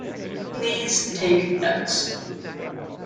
Please take notes.